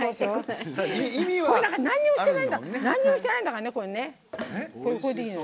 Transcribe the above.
なんにもしてないんだからねこれね。